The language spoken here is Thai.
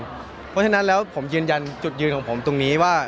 เพราะฉะนั้นแล้วผมยืนยันจุดยืนของผมตรงนี้ว่า